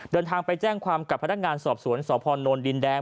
เดินทางไปแจ้งความกับพนักงานสอบสวนสพนดินแดง